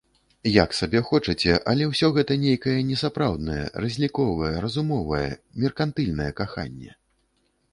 Як сабе хочаце, але ўсё гэта нейкае несапраўднае, разліковае, разумовае, меркантыльнае каханне.